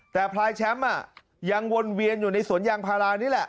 แต่พลายแชมป์ยังวนเวียนอยู่ในสวนยางพารานี่แหละ